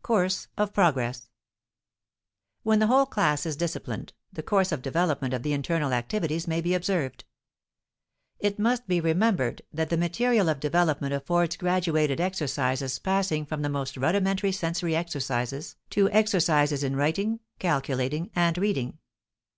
COURSE OF PROGRESS When the whole class is disciplined, the course of development of the internal activities may be observed. It must be remembered that the material of development affords graduated exercises passing from the most rudimentary sensory exercises to exercises in writing, calculating, and reading.